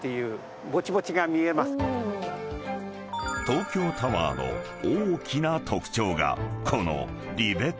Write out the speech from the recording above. ［東京タワーの大きな特徴がこの］